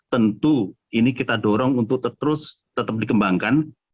tentu ini kita dorong untuk terus tetap dikembangkan